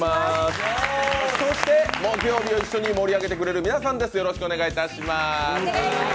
そして、木曜日を一緒に盛り上げてくれる皆さんです。